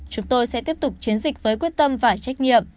chúng tôi sẽ tiếp tục chiến dịch với quyết tâm và trách nhiệm